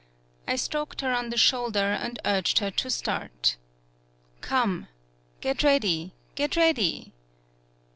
I stroked her on the shoulder and urged her to start. "Come. Get ready, get ready!"